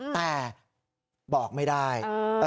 แต่บอกไม่ได้